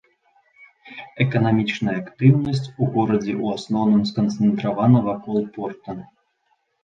Эканамічная актыўнасць у горадзе ў асноўным сканцэнтравана вакол порта.